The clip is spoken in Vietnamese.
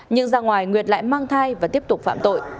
nhưng ra ngoài nguyệt lại mang thai và tiếp tục phạm tội